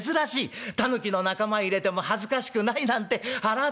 狸の仲間へ入れても恥ずかしくない』なんて腹ぁ